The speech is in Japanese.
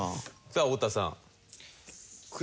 さあ太田さん。